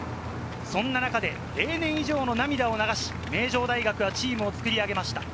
そんな中で例年以上の涙を流し、名城大学はチームを作り上げました。